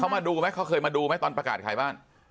มาดูไหมเขาเคยมาดูไหมตอนประกาศขายบ้าน